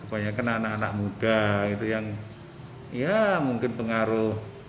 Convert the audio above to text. banyak anak anak muda itu yang ya mungkin pengaruh